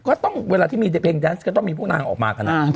ก็ต้องเวลาที่มีเด็กเพลงแดนส์ก็ต้องมีพวกนางออกมากัน